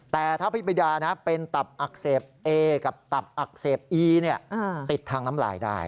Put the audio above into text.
แต่ถ้าพี่บิดาเป็นตับอักเสบเอกับตับอักเสบอีติดทางน้ำลายได้